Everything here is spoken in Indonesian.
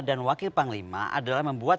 dan wakil panglima adalah membuat